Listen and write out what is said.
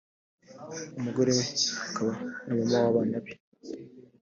umugore we akaba na Mama w’abana be